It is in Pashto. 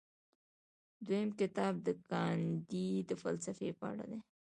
دویم کتاب د ګاندي د فلسفې په اړه دی.